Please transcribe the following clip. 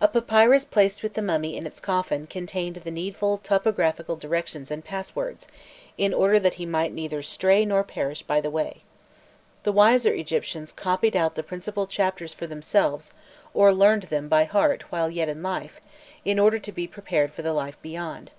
A papyrus placed with the mummy in its coffin contained the needful topo graphical directions and passwords, in order that he might neither stray nor perish by the way. The wiser Egyptians copied out the principal chapters for themselves, or learned them by heart while yet in life, in order to be prepared for the life beyond.